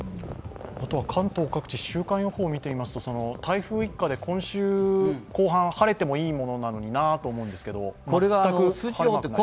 関東各地、週間予報を見てみますと台風一過で今週後半、晴れてもいいものなのになと思うんですが、全く晴れていない。